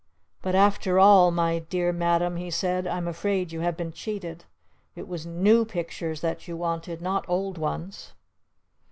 "But after all, my dear Madam," he said, "I am afraid you have been cheated! It was 'new' pictures that you wanted, not old ones!"